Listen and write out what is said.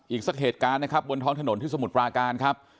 อีกสักเหตุการณ์นะครับบนท้องถนนที่สมุทรปราการครับ